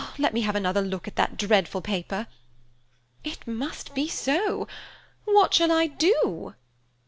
Let me have another look at that dreadful paper! It must be so. What shall I do?"